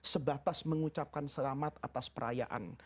sebatas mengucapkan selamat atas perayaan